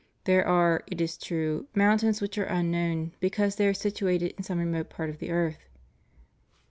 There are, it is true, mountains which are unknown because they are situated in some remote part of the earth.